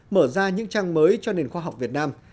mở ra những trang mới cho nền khoa học việt nam